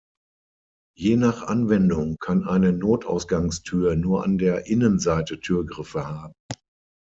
Je nach Anwendung kann eine Notausgangs-Tür nur an der Innenseite Türgriffe haben.